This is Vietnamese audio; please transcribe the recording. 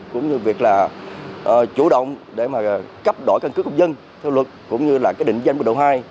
cũng như việc là chủ động để mà cấp đổi căn cước công dân theo luật cũng như là cái định danh bộ độ hai